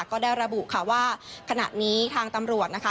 ก็ได้ระบุค่ะว่าขณะนี้ทางตำรวจนะคะ